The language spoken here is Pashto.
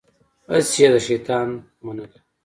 هسې يې د شيطان منله.